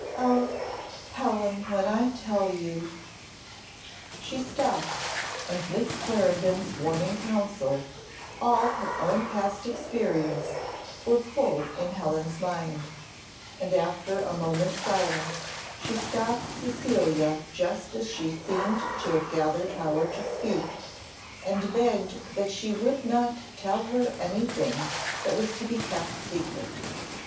Oh! Helen, when I tell you " She stopped, and Miss Clarendon's warning counsel, all her own past experience, were full in Helen's mind; and after a moment's silence, she stopped Cecilia just as she seemed to have gathered power to speak, and begged that she would not tell her any thing that was to be kept secret.